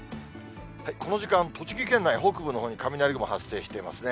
この時間、栃木県内北部のほうに雷雲発生してますね。